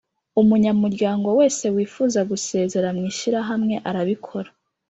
Umunyamuryango wese wifuza gusezera mu ishyirahamwe arabikora